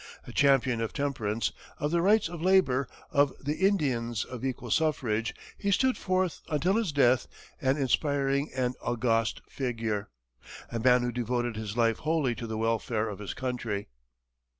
A champion of temperance, of the rights of labor, of the Indians, of equal suffrage, he stood forth until his death an inspiring and august figure a man who devoted his life wholly to the welfare of his country.